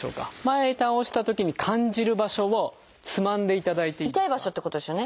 前へ倒したときに感じる場所をつまんでいただいていいですか。